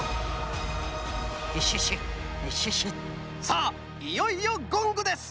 さあいよいよゴングです！